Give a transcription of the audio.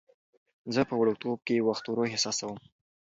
زه وړوکتوب کې وخت ورو احساسوم.